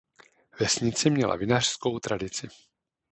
Vesnice měla vinařskou tradici.